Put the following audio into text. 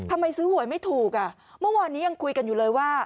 เมื่อวานนี้ยังคุยกันอยู่เลยว่า